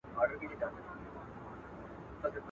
په ښرا لکه کونډیاني هر ماخستن یو ,